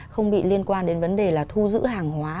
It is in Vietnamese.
không bị liên quan đến vấn đề là thu giữ hàng hóa